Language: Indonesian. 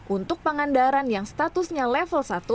untuk pangandaran yang statusnya level satu